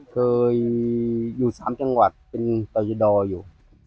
เคยอยู่๓จังหวัดเป็นต่อยอดอยู่